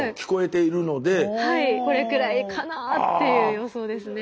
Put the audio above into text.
これくらいかなっていう予想ですね。